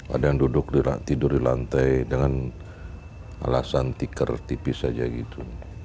ada yang duduk tidur di lantai dengan alasan tikar tipis saja gitu